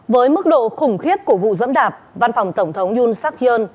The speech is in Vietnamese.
với mức độ khủng khiếp của vụ dẫm đạp văn phòng tổng thống yoon seok hyun